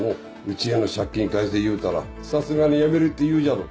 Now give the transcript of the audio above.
うちへの借金返せ言うたらさすがにやめるって言うじゃろ。